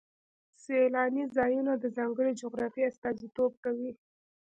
سیلاني ځایونه د ځانګړې جغرافیې استازیتوب کوي.